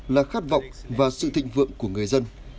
là khát vọng và sự thịnh vượng của người dân